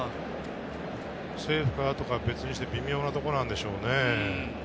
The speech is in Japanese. セーフかアウトか別にして、微妙なところなんでしょうね。